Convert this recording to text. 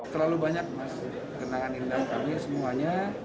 terlalu banyak mas kenangan indah kami semuanya